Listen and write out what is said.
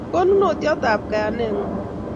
Konunotiot ab kayanet ng'uung